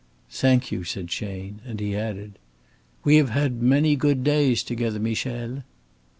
"Thank you," said Chayne, and he added: "We have had many good days together, Michel."